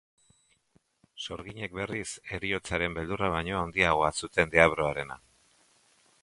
Sorginek berriz heriotzaren beldurra baino handiagoa zuten deabruarena.